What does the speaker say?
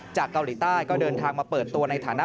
เกาหลีใต้ก็เดินทางมาเปิดตัวในฐานะ